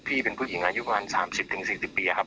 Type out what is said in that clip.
พี่เป็นผู้หญิงอายุประมาณ๓๐๔๐ปีครับ